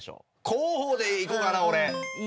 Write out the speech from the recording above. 広報でいこうかなぁ俺。